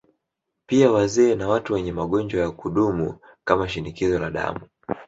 Pia wazee na watu wenye magonjwa ya kudumu kama Shinikizo la Damu